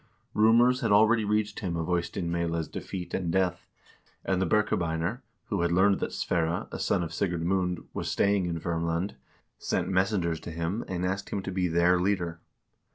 Rumors had already reached him of Eystein Meyla's defeat and death, and the Birkebeiner, who had learned that Sverre, a son of Sigurd Mund, was staying in Verm land, sent messengers to him and asked him to be their leader.